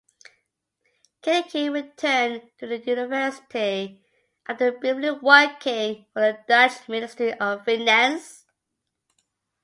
Kinneging returned to the university after briefly working for the Dutch Ministry of Finance.